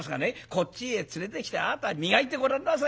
こっちへ連れてきてあなた磨いてごらんなさい。